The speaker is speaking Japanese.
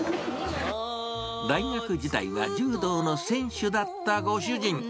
大学時代は柔道の選手だったご主人。